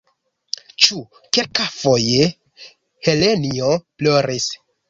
Ĉu kelkafoje Helenjo ploris?